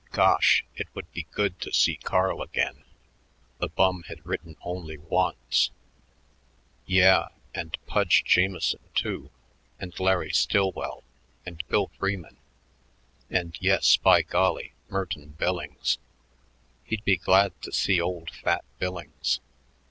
Gosh! it would be good to see Carl again. The bum had written only once. Yeah, and Pudge Jamieson, too, and Larry Stillwell, and Bill Freeman, and yes, by golly! Merton Billings. He'd be glad to see old Fat Billings.